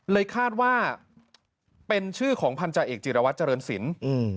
คาดว่าเป็นชื่อของพันธาเอกจิรวัตรเจริญศิลป์